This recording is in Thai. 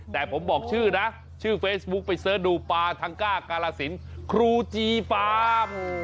แต่ผมบอกชื่อนะชื่อเฟซบุ๊กไปเสิร์ชดูปลาทังก้ากาลสินครูจีฟาร์ม